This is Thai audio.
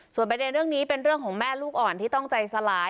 ประเด็นเรื่องนี้เป็นเรื่องของแม่ลูกอ่อนที่ต้องใจสลาย